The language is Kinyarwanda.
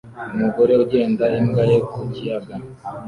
Umugore ugenda imbwa ye ku kiyaga